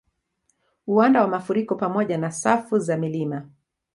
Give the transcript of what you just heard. Uwanda wa mafuriko pamoja na safu za milima